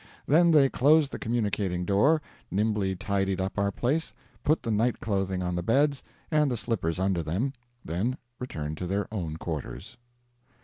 Then they closed the communicating door, nimbly tidied up our place, put the night clothing on the beds and the slippers under them, then returned to their own quarters.